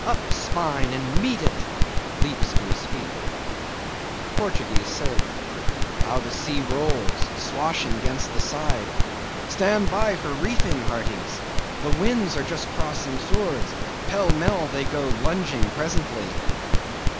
Up, spine, and meet it! (Leaps to his feet.) PORTUGUESE SAILOR. How the sea rolls swashing 'gainst the side! Stand by for reefing, hearties! the winds are just crossing swords, pell mell they'll go lunging presently.